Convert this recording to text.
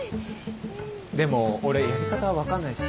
でも俺やり方分かんないし。